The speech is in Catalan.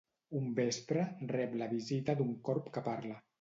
Un vespre, rep la visita d'un corb que parla.